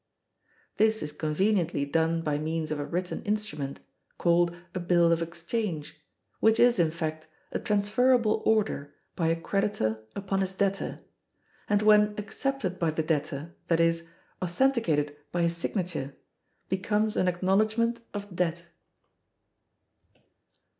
This is conveniently done by means of a written instrument, called a bill of exchange, which is, in fact, a transferable order by a creditor upon his debtor, and when accepted by the debtor, that is, authenticated by his signature, becomes an acknowledgment of debt.